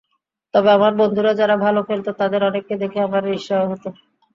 তবে, আমার বন্ধুরা যারা ভালো খেলত, তাদের অনেককে দেখে আমার ঈর্ষাই হতো।